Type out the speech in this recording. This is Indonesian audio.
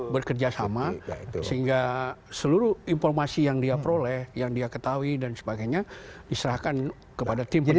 bekerja sama sehingga seluruh informasi yang dia peroleh yang dia ketahui dan sebagainya diserahkan kepada tim penyidik